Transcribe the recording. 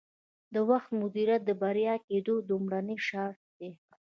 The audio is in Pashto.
د وخت مدیریت د بریالي کیدو لومړنی شرط دی.